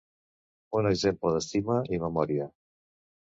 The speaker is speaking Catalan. Un exemple d'estima i memòria.